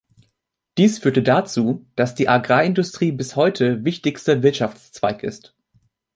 Dies führte dazu, dass die Agrarindustrie bis heute wichtigster Wirtschaftszweig ist.